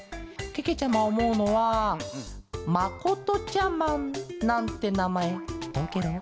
けけちゃまおもうのはまことちゃマンなんてなまえどうケロ？